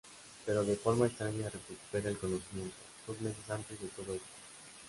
Pero de forma extraña, recupera el conocimiento, dos meses antes de todo esto.